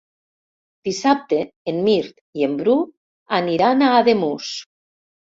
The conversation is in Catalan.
Dissabte en Mirt i en Bru aniran a Ademús.